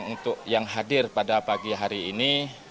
untuk yang hadir pada pagi hari ini